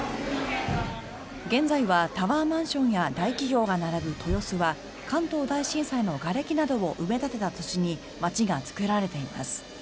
現在はタワーマンションや大企業が並ぶ豊洲は関東大震災のがれきなどを埋め立てた土地に街が造られています。